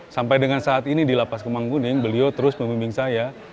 sampai dengan saat ini di lapas kemangkuning beliau terus memimbing saya